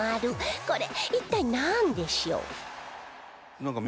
これ一体なんでしょう？